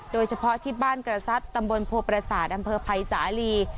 โดยเฉพาะที่บ้านกระซัดตำบลโพประสาทอำเภอภัยสาลี